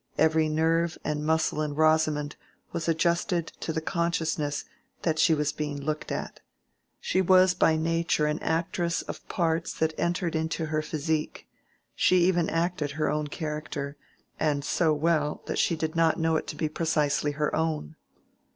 (Every nerve and muscle in Rosamond was adjusted to the consciousness that she was being looked at. She was by nature an actress of parts that entered into her physique: she even acted her own character, and so well, that she did not know it to be precisely her own.)